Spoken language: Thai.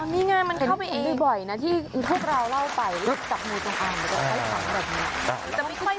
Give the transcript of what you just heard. นี่ไงมันเข้าไปเองเห็นบ่อยนะที่พวกเราเล่าไป